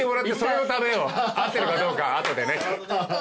合ってるかどうかは後でね。